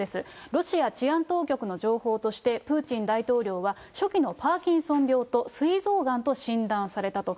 ロシア治安当局の情報として、プーチン大統領は初期のパーキンソン病とすい臓がんと診断されたと。